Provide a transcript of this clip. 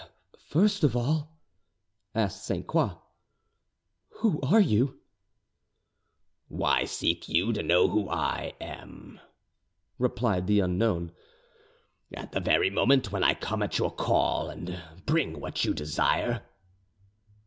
"First of all," asked Sainte Croix; "who are you?" "Why seek you to know who I am," replied the unknown, "at the very moment when I come at your call, and bring what you desire?"